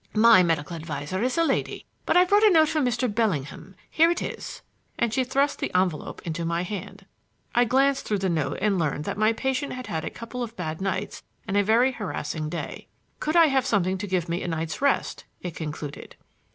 "My medical adviser is a lady; but I've brought a note from Mr. Bellingham. Here it is," and she thrust the envelope into my hand. I glanced through the note and learned that my patient had had a couple of bad nights and a very harassing day. "Could I have something to give me a night's rest?" it concluded.